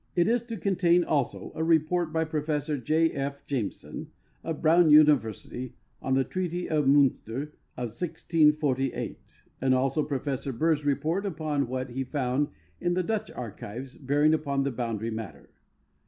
It is to contain also a report by Professor J. F. Jameson, of Thrown University, on the Treaty of Miinster of 1648, and also Professor Burr's rei)ort uj)on what he found in the Dutch archives bearing upon the boundary matter.